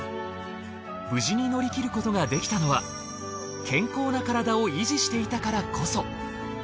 無事に乗り切ることができたのは健康なカラダを維持していたからこそ。